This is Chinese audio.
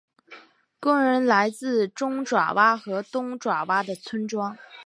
工人来自中爪哇和东爪哇的村庄。